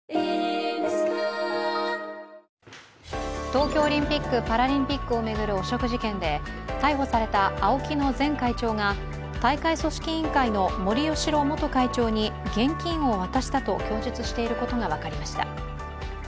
東京オリンピック・パラリンピックを巡る汚職事件で逮捕されたＡＯＫＩの前会長が大会組織委員会の森喜朗元会長に現金を渡したと供述していることが分かりました。